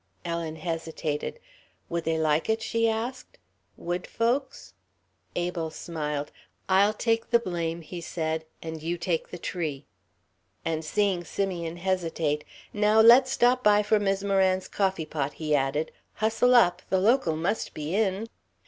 Ellen hesitated. "Would they like it?" she asked. "Would folks?" Abel smiled. "I'll take the blame," he said, "and you take the tree." And seeing Simeon hesitate, "Now let's stop by for Mis' Moran's coffee pot," he added. "Hustle up. The Local must be in."